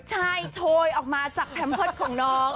ใช่โชยออกมาจากแพมเพิร์ตของน้อง